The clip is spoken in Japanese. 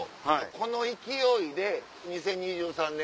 この勢いで２０２３年